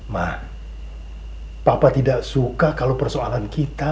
ma bapak tidak suka kalau persoalan kita